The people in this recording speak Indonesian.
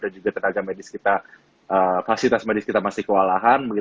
dan juga tenaga medis kita fasilitas medis kita masih kewalahan